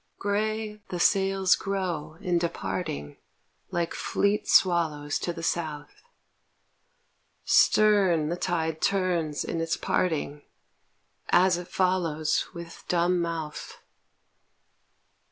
Gray the sails grow in departing Like fleet swallows To the South. Stern the tide turns in its parting, As it follows With dumb mouth.